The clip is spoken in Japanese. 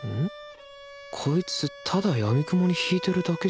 こいつただやみくもに弾いてるだけじゃない？